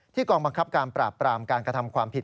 กองบังคับการปราบปรามการกระทำความผิด